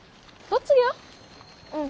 うん。